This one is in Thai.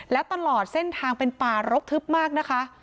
และตลอดเส้นทางเป็นป่ารกทึบมากนะคะ